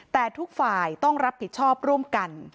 แต่ทุกฝ่ายต้องรับผิดชอบร่วมกัน